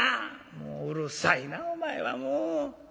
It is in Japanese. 「もううるさいなお前はもう。